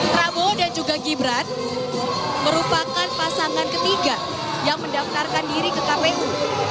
prabowo dan juga gibran merupakan pasangan ketiga yang mendaftarkan diri ke kpu